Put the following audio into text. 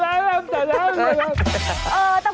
เก็บสะโพกเอาไว้โยกกับคนที่ใช่